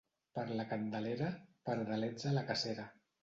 Per la Candelera, pardalets a la cacera.